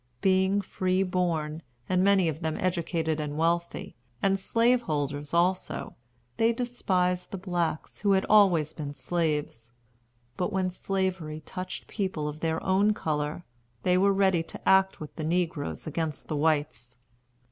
Being free born, and many of them educated and wealthy, and slaveholders also, they despised the blacks, who had always been slaves; but when Slavery touched people of their own color, they were ready to act with the negroes against the whites.